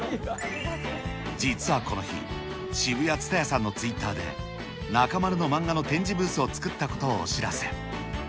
実はこの日、シブヤＴＳＵＴＡＹＡさんのツイッターで、中丸の漫画の展示ブースを作ったことをお知らせ。